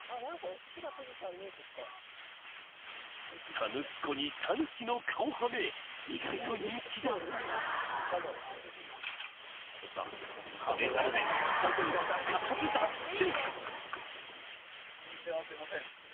田貫湖にタヌキの顔ハメ意外と人気だハメたのでスタッフすかさずダッシュ！